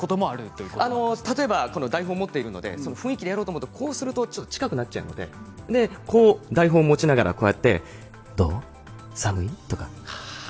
例えば台本を持っているので雰囲気でやろうとすると近くなっちゃうので台本を持ちながらどう？